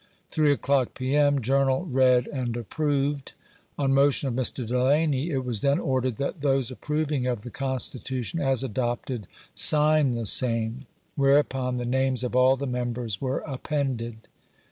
Thrbe o'clock, P. M. Journal read and approved On motion of 7Ar. Delany, it was then ordered that those approving of the Constitution as adopted sign the same ; whereupon the names of all the members were appended.